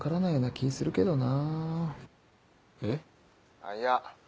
あっいや。